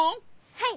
はい。